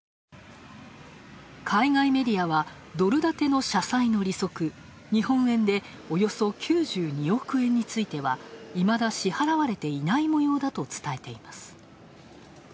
海外メディアはドル建ての社債の利息日本円でおよそ９２億円についてはいまだ支払われていないもようだと伝えています。